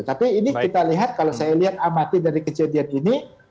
tapi ini kita lihat kalau saya lihat amati dari kejadian ini